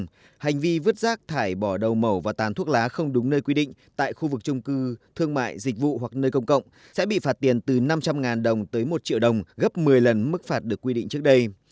cụ thể hành vi vệ sinh cá nhân không đúng nơi quy định tại khu vực trung cư thương mại dịch vụ hoặc nơi công cộng sẽ bị phạt tiền từ năm trăm linh đồng tới một triệu đồng gấp một mươi lần mức phạt được quy định trước đây